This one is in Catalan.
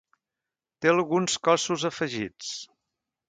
Té alguns cossos afegits.